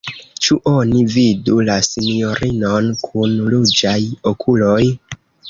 Ĉu oni vidu la sinjorinon kun ruĝaj okuloj?